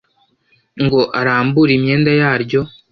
ngo arambure imyenda yaryo